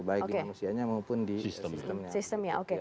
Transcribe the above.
baik di manusianya maupun di sistemnya